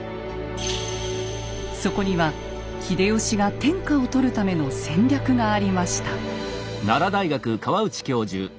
そこには秀吉が天下を取るための戦略がありました。